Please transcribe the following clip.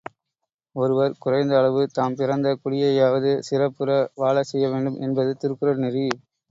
ஒருவர் குறைந்த அளவு தாம் பிறந்த குடியையாவது சிறப்புற வாழச்செய்யவேண்டும் என்பது திருக்குறள் நெறி.